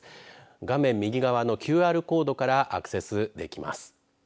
画面右側のＱＲコードからアクセスできます。